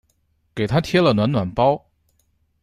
给她贴了暖暖包